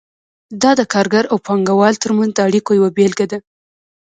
دا د کارګر او پانګه وال ترمنځ د اړیکو یوه بیلګه ده.